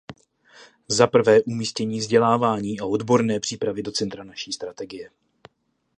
Zaprvé umístění vzdělávání a odborné přípravy do centra naší strategie.